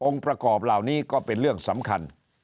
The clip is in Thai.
ประกอบเหล่านี้ก็เป็นเรื่องสำคัญ